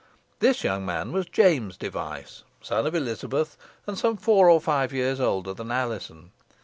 This young man was James Device, son of Elizabeth, and some four or five years older than Alizon.